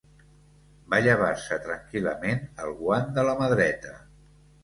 Va llevar-se tranquil·lament el guant de la mà dreta